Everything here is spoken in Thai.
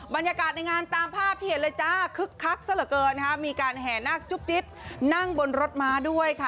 บรรยากาศในงานตามภาพที่เห็นเลยจ้าคึกคักซะเหลือเกินนะคะมีการแห่นาคจุ๊บจิ๊บนั่งบนรถม้าด้วยค่ะ